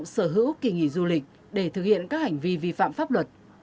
sở hữu kỳ nghỉ du lịch để thực hiện các hành vi vi phạm pháp luật